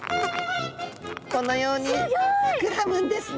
このように膨らむんですね。